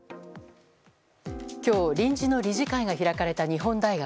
今日、臨時の理事会が開かれた日本大学。